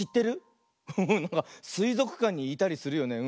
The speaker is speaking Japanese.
すいぞくかんにいたりするよね。